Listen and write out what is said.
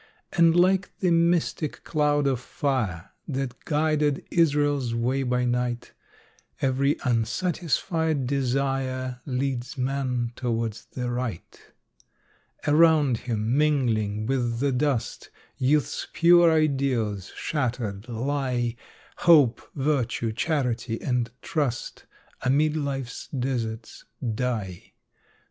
And like the mystic cloud of fire That guided Israel's way by night, Every unsatisfied desire Leads man towards the right. Around him, mingling with the dust, Youth's pure ideals, shattered, lie; Hope, virtue, charity and trust Amid life's deserts die.